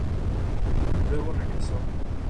Luego regresó